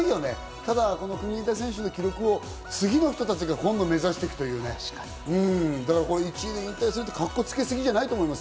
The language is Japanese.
ただ国枝選手の記録を次の人たちが今度目指していくというね、引退、１位で引退するってカッコつけすぎじゃないと思います。